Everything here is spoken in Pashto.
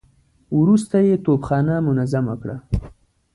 وروسته يې توپخانه منظمه کړه.